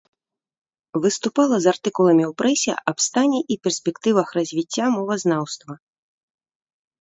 Выступала з артыкуламі ў прэсе аб стане і перспектывах развіцця мовазнаўства.